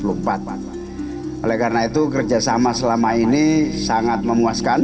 oleh karena itu kerjasama selama ini sangat memuaskan